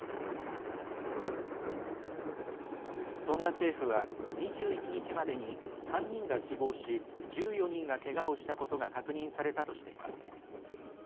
トンガ政府は２１日までに３人が死亡し１４人が、けがをしたことが確認されたとしています。